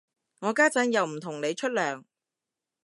我家陣又唔同你出糧